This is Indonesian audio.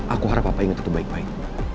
aku harap apa ingat itu baik baik